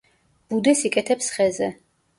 ბუდეს იკეთებს ხეზე.